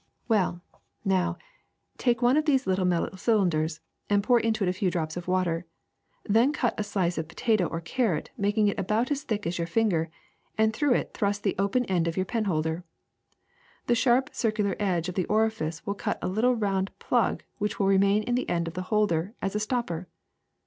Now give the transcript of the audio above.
Well, now, take one of these little THE FORCE OF STEAM 361 metal cylinders and pour into it a few drops of water ; then cut a slice of potato or carrot, making it about as thick as your finger, and through it thrust the open end of your penholder. The sharp, cir cular edge of the orifice will cut a little round plug which will remain in the end of the holder as a stopper.